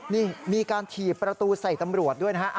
นี่มีการถีบประตูใส่ตำรวจด้วยนะฮะ